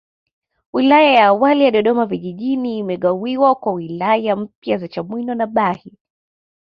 Wilaya ya awali ya Dodoma Vijijini imegawiwa kwa wilaya mpya za Chamwino na Bahi